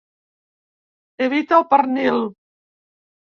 Evita el pernil.